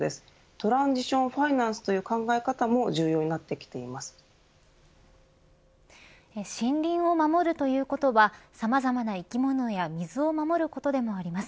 トランジション・ファイナンスという考え方も森林を守るということはさまざまな生き物や水を守ることでもあります。